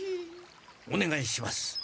おねがいします。